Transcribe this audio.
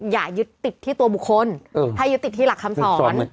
อย่ายึดติดที่ตัวบุคคลให้ยึดติดที่หลักคำสอน